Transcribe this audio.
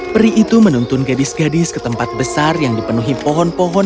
peri itu menuntun gadis gadis ke tempat besar yang dipenuhi pohon pohon